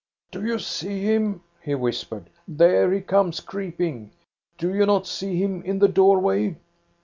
"Do you see him?" he whispered. "There he comes creeping. Do you not see him in the door way?"